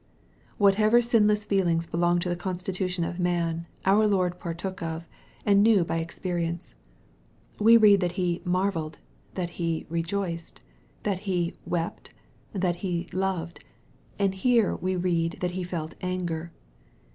Whatever sinless feelings belong to the constitution of man, our Lord partook of, and knew by experience. We read that He " marvelled," that He ' rejoiced," that He " wept," that He " loved/' and here we read that He felt " anger."